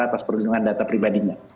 atas perlindungan data pribadinya